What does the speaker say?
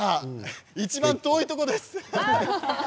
いちばん遠いところです。